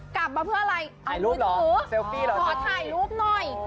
กลับมาเพื่ออะไรเอาคุณถือขอถ่ายรูปหน่อย